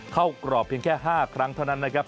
กรอบเพียงแค่๕ครั้งเท่านั้นนะครับ